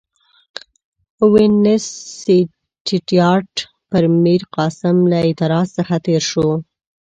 وینسیټیارټ پر میرقاسم له اعتراض څخه تېر شو.